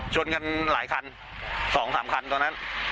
ชนกันหลายคัน๒๓คันตอนนั้น